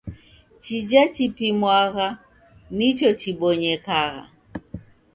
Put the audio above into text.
Chija chipimwagha nicho chibonyekagha.